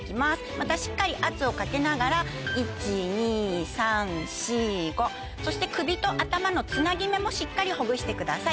またしっかり圧をかけながら１・２・３・４・５。そして首と頭のつなぎ目もしっかりほぐしてください。